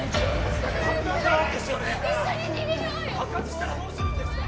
爆発したらどうするんですか！？